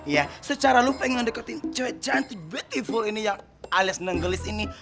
ya secara lo pengen deketin cewek cantik beautiful ini yang alias nenggelis ini